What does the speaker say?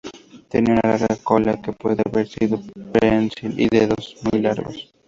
Tenía una larga cola que puede haber sido prensil, y dedos muy largos.